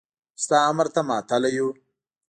ستا امر ته ماتله يو.